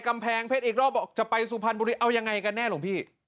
กำแพงเผชอีกรอบบอกจะไปสุพันธ์บุรีเอายังไงกัน